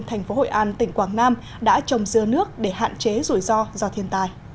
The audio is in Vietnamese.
thành phố hội an tỉnh quảng nam đã trồng dưa nước để hạn chế rủi ro do thiên tai